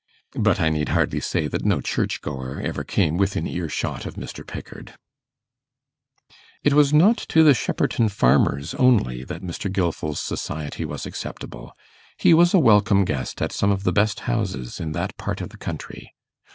But I need hardly say that no church goer ever came within earshot of Mr. Pickard. It was not to the Shepperton farmers only that Mr. Gilfil's society was acceptable; he was a welcome guest at some of the best houses in that part of the country.